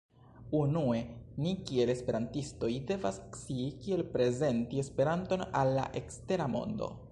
Unue, ni kiel Esperantistoj, devas scii kiel prezenti Esperanton al la ekstera mondo